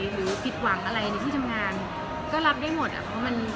หรือปิดหวังในที่ทำงาน